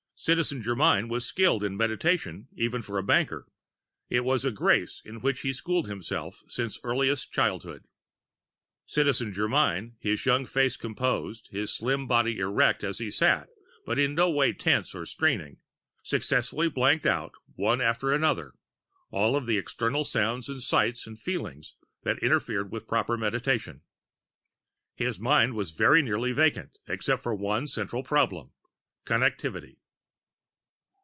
Citizen Germyn was skilled in meditation, even for a banker; it was a grace in which he had schooled himself since earliest childhood. Citizen Germyn, his young face composed, his slim body erect as he sat but in no way tense or straining, successfully blanked out, one after another, all of the external sounds and sights and feelings that interfered with proper meditation. His mind was very nearly vacant except of one central problem: Connectivity.